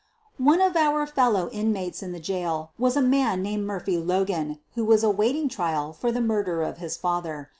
One of our fellow inmates in the jail was a man named Murphy Logan, who was awaiting trial for the murder of his father.